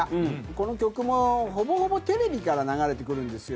この曲も、ほぼほぼテレビから流れてくるんですよ。